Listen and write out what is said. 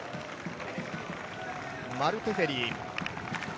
マル・テフェリ。